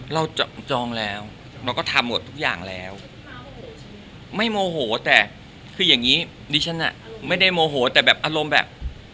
จองแล้วเราก็ทำหมดทุกอย่างแล้วไม่โมโหแต่คืออย่างนี้ดิฉันอ่ะไม่ได้โมโหแต่แบบอารมณ์แบบ